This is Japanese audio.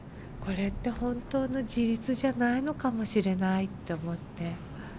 これって本当の自立じゃないのかもしれないって思って。